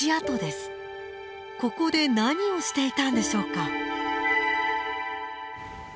ここで何をしていたんでしょうか？